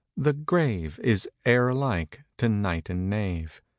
The grave Is heir alike to knight and knave.